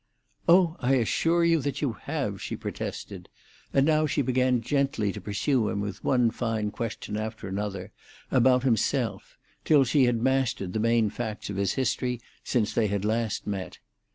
"Oh, I assure you that you have!" she protested; and now she began gently to pursue him with one fine question after another about himself, till she had mastered the main facts of his history since they had last met.